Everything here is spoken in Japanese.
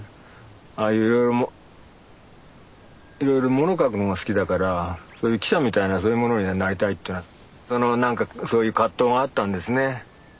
ああいういろいろいろいろ物書くのが好きだからそういう記者みたいなそういうものになりたいっていうのはその何かそういう葛藤があったんですね。